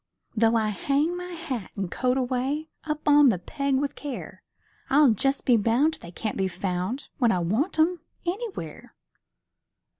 Though I hang my hat an' coat away, Up on the peg with care, I'll just be bound they can't be found When I want 'em, anywhere.